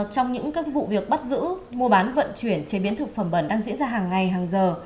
trong những các vụ việc bắt giữ mua bán vận chuyển chế biến thực phẩm bẩn đang diễn ra hàng ngày hàng giờ